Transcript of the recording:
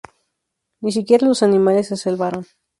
Ni siquiera los animales se salvaron.